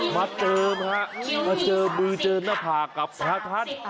เจิมฮะมาเจอมือเจอหน้าผากกับพระท่าน